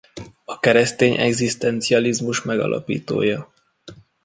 A keresztény egzisztencializmus megalapítója.